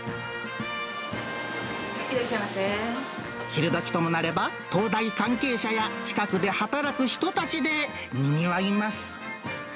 昼どきともなれば、東大関係者や近くで働く人たちでにぎわいます。